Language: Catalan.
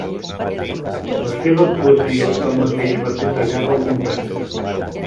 La seva actuació tanmateix va ser tallada al muntatge.